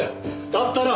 だったら。